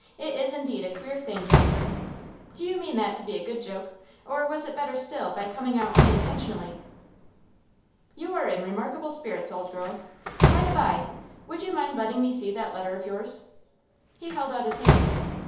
'It is indeed a queer thing, Jasper! Did you mean that to be a good joke, or was it better still by coming out unintentionally?' 'You are in remarkable spirits, old girl. By the by, would you mind letting me see that letter of yours?' He held out his hand.